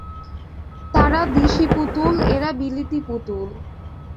তারা দিশি পুতুল, এরা বিলিতি পুতুল।